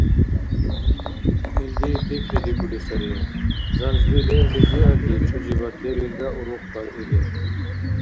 Илди пикридикӀули сари – занзби лерли диалли чузибад лебилра урухкӀар или